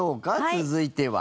続いては。